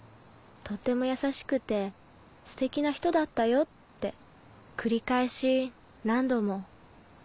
とっても優しくてステキな人だったよって繰り返し何度も。